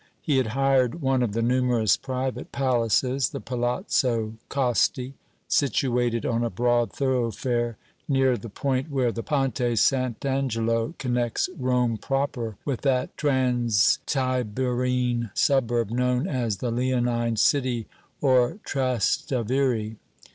He had hired one of the numerous private palaces, the Palazzo Costi, situated on a broad thoroughfare near the point where the Ponte St. Angelo connects Rome proper with that transtiberine suburb known as the Leonine City or Trastavere.